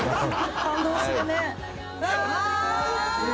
感動するね。